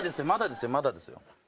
まだですよまだですよ。